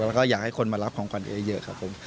แล้วก็อยากให้คนมารับของขวัญเอ๊เยอะครับผม